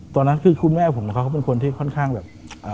ตอนนั้นคือคุณแม่ผมนะครับเขาเป็นคนที่ค่อนข้างแบบ